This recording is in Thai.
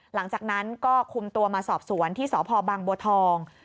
หลังจากนั้นก็คุมตัวมาสอบสวนที่สพบางบัวทอง